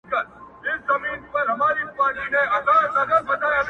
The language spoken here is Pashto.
o د چا د ويښ زړگي ميسج ننوت.